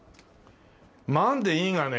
まんでいいがね。